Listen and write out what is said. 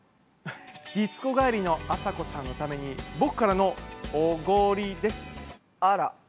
ディスコ帰りのあさこさんのために僕からのあら。